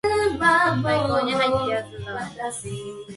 最高にハイ!ってやつだアアアアアアハハハハハハハハハハーッ